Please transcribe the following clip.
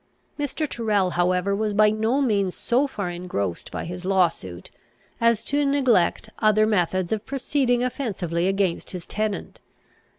Mr. Tyrrel, however, was by no means so far engrossed by his law suit, as to neglect other methods of proceeding offensively against his tenant.